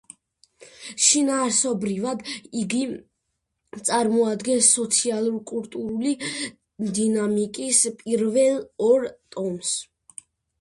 შინაარსობრივად იგი წარმოადგენს „სოციოკულტურული დინამიკის“ პირველ ორ ტომს.